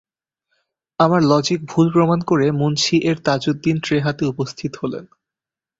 আমার লজিক ভুল প্রমাণ করে মুনশি এর তাজউদ্দিন ট্রে হাতে উপস্থিত হলেন।